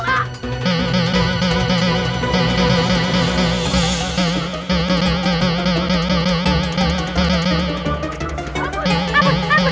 kabur kabur kabur